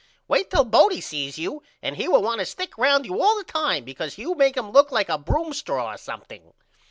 Wait till Bodie sees you and he will want to stick round you all the time because you make him look like a broom straw or something.